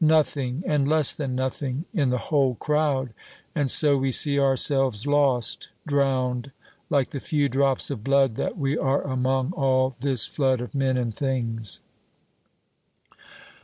Nothing, and less than nothing, in the whole crowd; and so we see ourselves lost, drowned, like the few drops of blood that we are among all this flood of men and things."